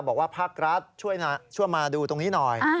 ภาครัฐช่วยมาดูตรงนี้หน่อย